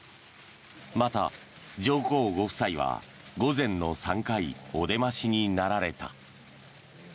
また上皇ご夫妻は午前の３回お出ましになられた。